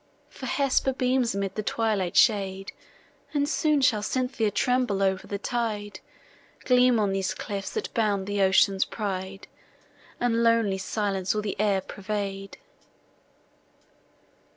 For Hesper beams amid the twilight shade, And soon shall Cynthia tremble o'er the tide, Gleam on these cliffs, that bound the ocean's pride, And lonely silence all the air pervade.